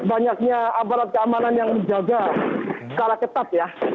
banyaknya aparat keamanan yang dijaga secara ketat